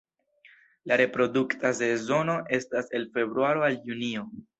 La reprodukta sezono estas el februaro al junio.